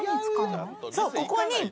ここに。